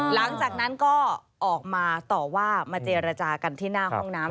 หลังจากนั้นก็ออกมาต่อว่ามาเจรจากันที่หน้าห้องน้ำ